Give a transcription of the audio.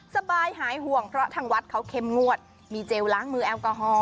สบายหายห่วงเพราะทางวัดเขาเข้มงวดมีเจลล้างมือแอลกอฮอล